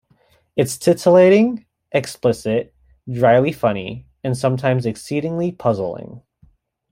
It's titillating, explicit, dryly funny and sometimes exceedingly puzzling.